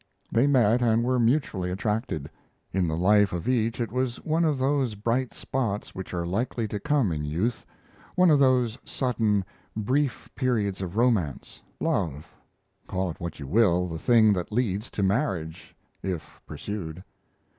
They met, and were mutually attracted; in the life of each it was one of those bright spots which are likely to come in youth: one of those sudden, brief periods of romance, love call it what you will the thing that leads to marriage, if pursued.